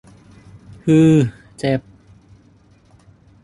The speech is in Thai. ฮือ เจ็บ